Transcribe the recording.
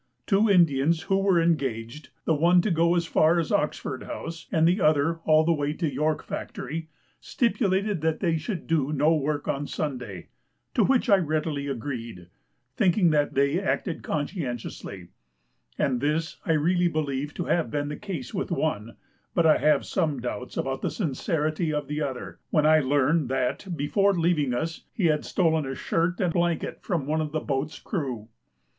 Two Indians who were engaged, the one to go as far as Oxford House, and the other all the way to York Factory, stipulated that they should do no work on Sunday; to which I readily agreed, thinking that they acted conscientiously; and this I really believe to have been the case with one; but I had some doubts about the sincerity of the other, when I learned that, before leaving us, he had stolen a shirt and blanket from one of the boat's crew.